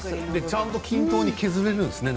ちゃんと均等に削れるんですね。